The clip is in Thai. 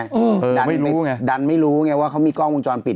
ดันไม่รู้ไงดันไม่รู้ไงว่าเขามีกล้องวงจรปิด